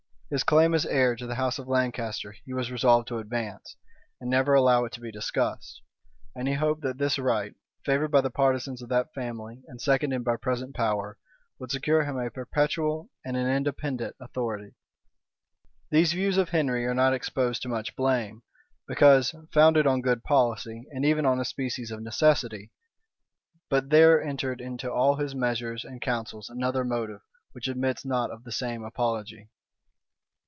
His claim as heir to the house of Lancaster he was resolved to advance, and never allow it to be discussed; and he hoped that this right, favored by the partisans of that family, and seconded by present power, would secure him a perpetual and an independent authority. These views of Henry are not exposed to much blame; because founded on good policy, and even on a species of necessity; but there entered into all his measures and counsels another motive, which admits not of the same apology.